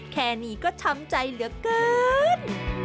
แค่นี้ก็ช้ำใจเหลือเกิน